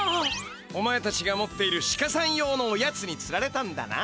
お前たちが持っているシカさん用のおやつにつられたんだな。